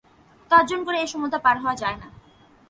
তর্জন করে এ সমুদ্র পার হওয়া যায় না।